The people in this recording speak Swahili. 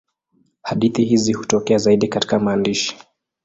Hadithi hizi hutokea zaidi katika maandishi.